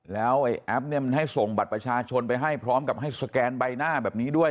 แล้วไอ้แอปเนี่ยมันให้ส่งบัตรประชาชนไปให้พร้อมกับให้สแกนใบหน้าแบบนี้ด้วย